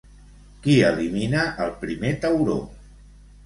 Qui elimina el primer tauró?